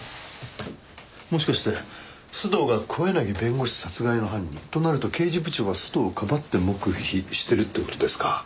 もしかして須藤が小柳弁護士殺害の犯人。となると刑事部長は須藤をかばって黙秘してるって事ですか。